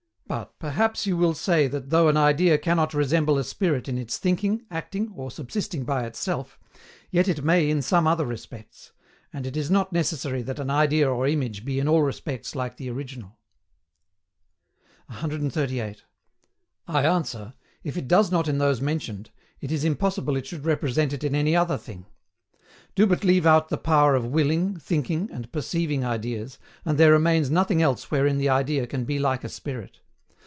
But, perhaps you will say that though an idea cannot resemble a spirit in its thinking, acting, or subsisting by itself, yet it may in some other respects; and it is not necessary that an idea or image be in all respects like the original. 138. I answer, if it does not in those mentioned, it is impossible it should represent it in any other thing. Do but leave out the power of willing, thinking, and perceiving ideas, and there remains nothing else wherein the idea can be like a spirit.